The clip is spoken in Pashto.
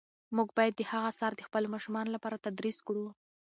موږ باید د هغه آثار د خپلو ماشومانو لپاره تدریس کړو.